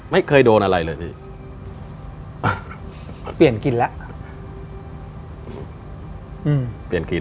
ไม่เคยโดนอะไรเลยที